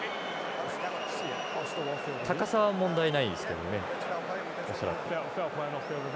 高さは問題ないですね、恐らく。